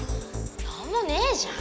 なんもねえじゃん。